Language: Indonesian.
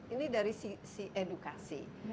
ini dari sisi edukasi